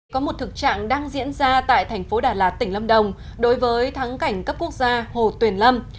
có một thực trạng đang diễn ra tại thành phố đà lạt tỉnh lâm đồng đối với thắng cảnh cấp quốc gia hồ tuyền lâm